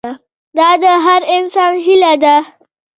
دا د هر انسان هیله ده.